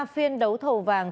ba phiên đấu thầu vàng